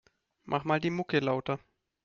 Mach mal die Mucke lauter.